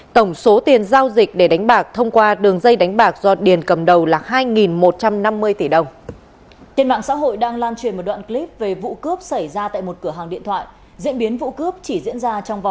tổng số tiền giao dịch để đánh bạc thông qua đường dây đánh bạc do điền cầm đầu là hai một trăm năm mươi tỷ đồng